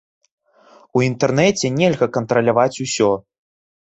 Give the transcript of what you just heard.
У інтэрнэце нельга кантраляваць усё.